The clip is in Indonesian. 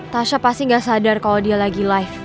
tasya pasti gak sadar kalo dia lagi live